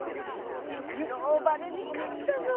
グローバルに勝ったぞ。